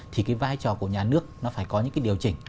thì vai trò của nhà nước phải có những điều chỉnh